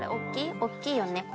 おっきいよねこれ。